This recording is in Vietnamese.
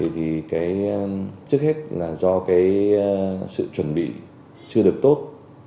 thì trước hết là do cái sự chuẩn bị chưa được tốt